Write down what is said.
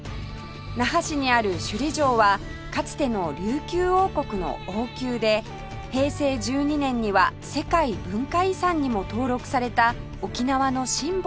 那覇市にある首里城はかつての琉球王国の王宮で平成１２年には世界文化遺産にも登録された沖縄のシンボルです